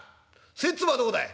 賽っ粒はどこだい」。